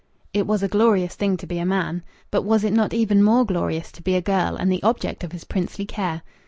It was a glorious thing to be a man! But was it not even more glorious to be a girl and the object of his princely care?...